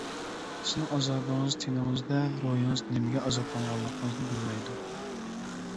سىزنىڭ ئازابىڭىز تېنىڭىزدە، روھىڭىز نېمىگە ئازابلانغانلىقىڭىزنى بىلمەيدۇ.